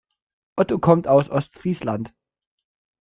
Otto kommt aus Ostfriesland.